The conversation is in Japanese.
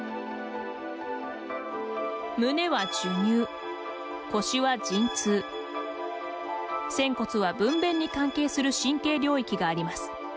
胸は授乳、腰は陣痛仙骨は分娩に関係する神経領域があります。